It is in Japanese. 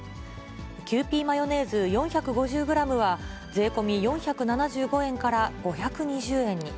キユーピーマヨネーズは４５０グラムは、税込み４７５円から５２０円に。